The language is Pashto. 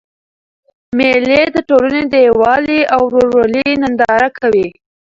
مېلې د ټولني د یووالي او ورورولۍ ننداره کوي.